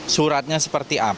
suratnya seperti apa